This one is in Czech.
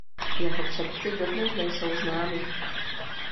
Jeho předci dodnes nejsou známí.